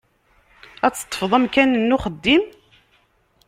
Ad teṭṭfeḍ amkan-nni uxeddim?